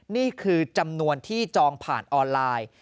นี่คือจำนวนที่จองผ่านออนไลน์